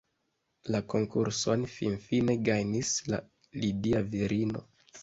La konkurson finfine gajnis la lidia virino.